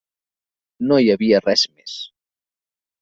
No hi havia res més.